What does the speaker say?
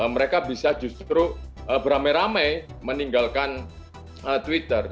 mereka bisa justru beramai ramai meninggalkan twitter